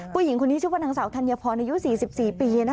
ผู้หญิงคนนี้ชื่อว่านางสาวธัญพรอายุ๔๔ปี